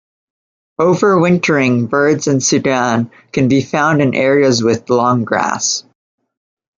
Over-wintering birds in Sudan can be found in areas with long grass.